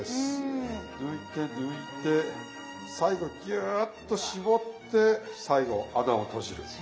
抜いて抜いて最後ギューッと絞って最後穴を閉じる。